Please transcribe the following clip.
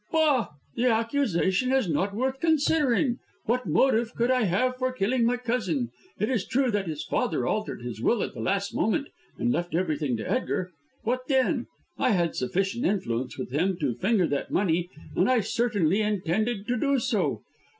"Bah! The accusation is not worth considering. What motive could I have for killing my cousin! It is true that his father altered his will at the last moment and left everything to Edgar. What then? I had sufficient influence with him to finger that money, and I certainly intended to do so.